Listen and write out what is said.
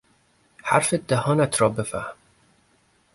حرف دهانت را بفهم!